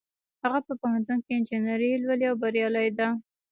هغه په پوهنتون کې انجینري لولي او بریالۍ ده